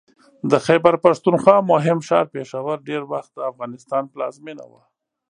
د خیبر پښتونخوا مهم ښار پېښور ډېر وخت د افغانستان پلازمېنه وه